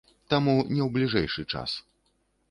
Таму не ў бліжэйшы час.